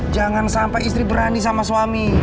jangan sampai istri berani sama suami